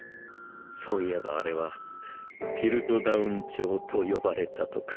そういえばあれはピルトダウン鳥と呼ばれたとか。